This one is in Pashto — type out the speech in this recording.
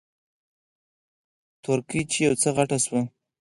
تورکى چې يو څه غټ سو.